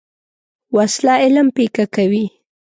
وسله علم پیکه کوي